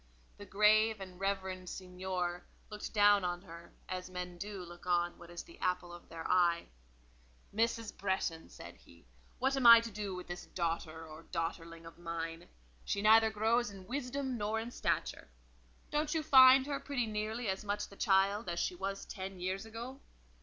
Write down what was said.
The grave and reverend seignor looked down on her as men do look on what is the apple of their eye. "Mrs. Bretton," said he: "what am I to do with this daughter or daughterling of mine? She neither grows in wisdom nor in stature. Don't you find her pretty nearly as much the child as she was ten years ago?"